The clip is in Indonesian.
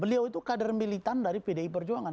beliau itu kader militan dari pdi perjuangan